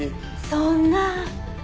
そんな。